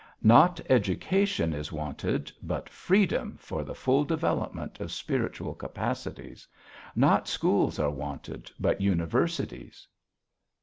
Not education is wanted but freedom for the full development of spiritual capacities. Not schools are wanted but universities."